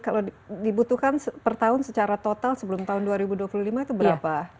kalau dibutuhkan per tahun secara total sebelum tahun dua ribu dua puluh lima itu berapa